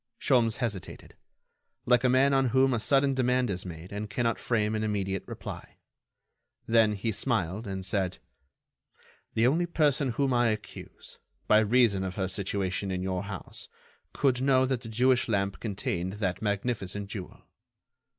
Sholmes hesitated, like a man on whom a sudden demand is made and cannot frame an immediate reply. Then he smiled, and said: "Only the person whom I accuse, by reason of her situation in your house, could know that the Jewish lamp contained that magnificent jewel."